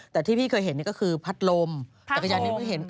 แต่ที่พี่เคยเห็นก็คือพัดลมจักรยาน